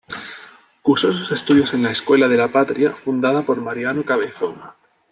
Cursó sus estudios en la Escuela de la Patria, fundada por Mariano Cabezón.